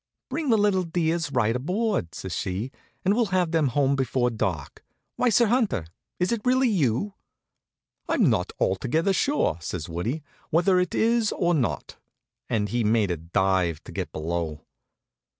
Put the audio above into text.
"Bring the little dears right aboard," says she, "and we'll have them home before dark. Why, Sir Hunter, is it really you?" "I'm not altogether sure," says Woodie, "whether it's I or not," and he made a dive to get below.